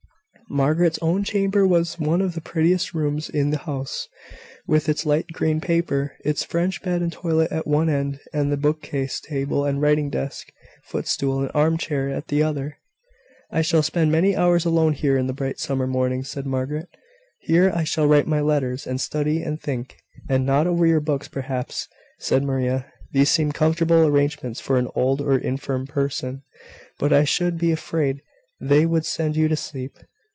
Margaret's own chamber was one of the prettiest rooms in the house, with its light green paper, its French bed and toilet at one end, and the book case, table and writing desk, footstool and armchair, at the other. "I shall spend many hours alone here in the bright summer mornings," said Margaret. "Here I shall write my letters, and study, and think." "And nod over your books, perhaps," said Maria. "These seem comfortable arrangements for an old or infirm person; but I should be afraid they would send you to sleep.